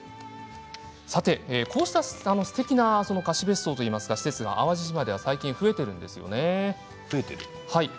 こうした、すてきな貸し別荘というか施設が淡路島では増えているんです。